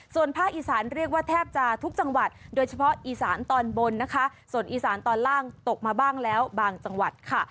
ส่วนภาคอีสานเรียกว่าแทบจะทุกจังหวัดโดยเฉพาะอีสานตอนบนนะคะส่วนอีสานตอนล่างตกมาบ้างแล้วบางจังหวัดค่ะ